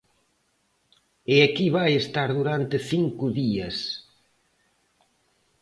E aquí vai estar durante cinco días.